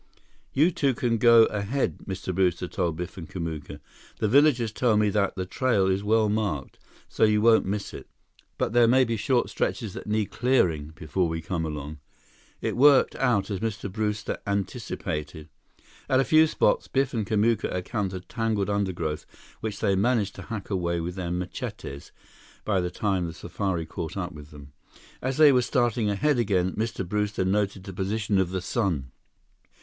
"You two can go ahead," Mr. Brewster told Biff and Kamuka. "The villagers tell me that the trail is well marked, so you won't miss it. But there may be short stretches that need clearing before we come along." It worked out as Mr. Brewster anticipated. At a few spots, Biff and Kamuka encountered tangled undergrowth which they managed to hack away with their machetes, by the time the safari caught up with them. As they were starting ahead again, Mr. Brewster noted the position of the sun.